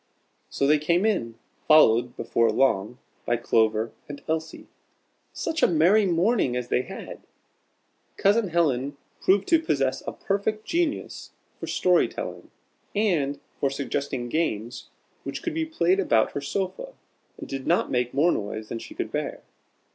So they came in, followed, before long, by Clover and Elsie. Such a merry morning as they had! Cousin Helen proved to possess a perfect genius for story telling, and for suggesting games which could be played about her sofa, and did not make more noise than she could bear.